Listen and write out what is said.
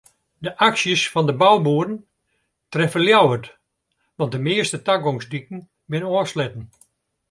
De aksjes fan de bouboeren treffe Ljouwert want de measte tagongsdiken binne ôfsletten.